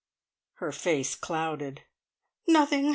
Her face clouded. "Nothing.